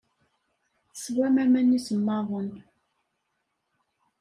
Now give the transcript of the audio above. Teswam aman isemmaḍen.